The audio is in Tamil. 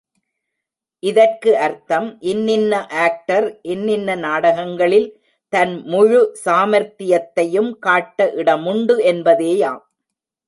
இதற்கு அர்த்தம், இன்னின்ன ஆக்டர் இன்னின்ன நாடகங்களில் தன் முழு சாமர்த்தியத்தையும் காட்ட இடமுண்டு என்பதேயாம்.